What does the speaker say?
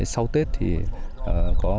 sau tết thì có